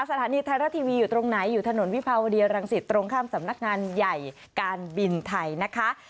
สถานีไทยรัฐทีวีอยู่ตรงไหนอยู่ถนนวิภาวดีรังสิตตรงข้ามสำนักงานใหญ่การบินไทยนะคะ